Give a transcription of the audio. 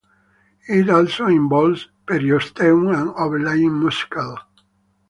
It also involves periosteum and overlying muscle.